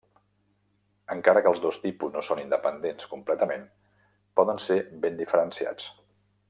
Encara que els dos tipus no són independents completament, poden ser ben diferenciats.